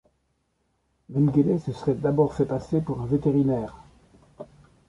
Mengele se serait d'abord fait passer pour un vétérinaire.